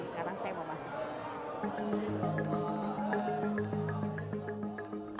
sekarang saya mau masuk